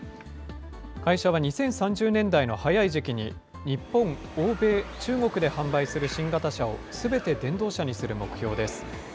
会社は２０３０年代の早い時期に、日本、欧米、中国で販売する新型車をすべて電動車にする目標です。